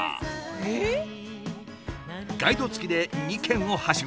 ガイド付きで２軒をはしご。